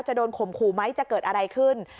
จะโดนข่มขู่ไหมจะเกิดอะไรขึ้น